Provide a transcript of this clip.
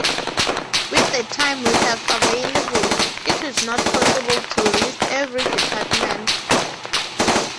With the time we have available, it is not possible to list every department.